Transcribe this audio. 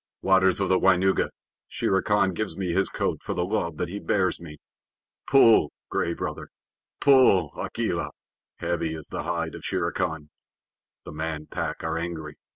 Waters of the Waingunga, Shere Khan gives me his coat for the love that he bears me. Pull, Gray Brother! Pull, Akela! Heavy is the hide of Shere Khan. The Man Pack are angry.